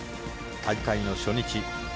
大会の初日。